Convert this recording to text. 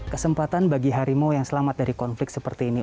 kesempatan bagi harimau yang selamat dari konflik seperti ini